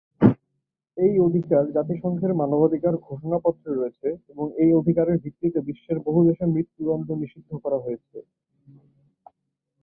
এই অধিকার জাতিসংঘের মানবাধিকার-ঘোষণাপত্রে রয়েছে এবং এই অধিকারের ভিত্তিতে বিশ্বের বহু দেশে মৃত্যুদণ্ড নিষিদ্ধ করা হয়েছে।